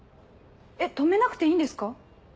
えっ止めなくていいんですか？